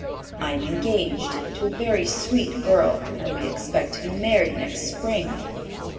I am engaged to a very sweet girl, and we expect to be married next spring."